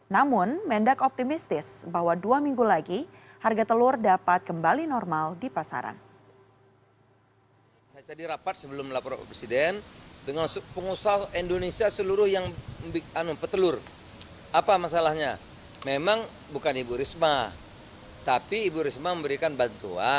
namun mendak optimistis bahwa dua minggu lagi harga telur dapat kembali normal di pasaran